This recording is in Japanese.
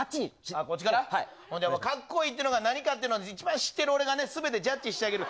ほんでかっこいいって何かっていうのを一番知ってる俺がね、ジャッジしてあげる。